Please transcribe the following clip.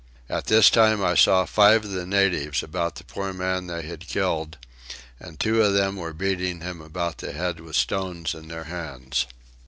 At this time I saw five of the natives about the poor man they had killed, and two of them were beating him about the head with stones in their hands.